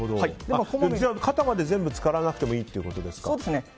肩まで全部浸からなくてもいいということですか。